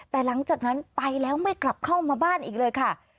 แต่หลังจากนั้นไปแล้วไม่กลับเข้ามาบ้านอีกเลยค่ะ